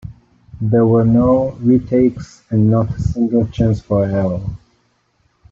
There were no re-takes and not a single chance for error.